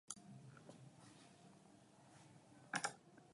Becali a gustat din plin momentul.